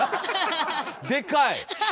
でかい！